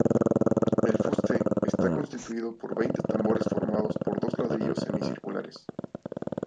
El fuste está constituido por veinte tambores formados por dos ladrillos semicirculares.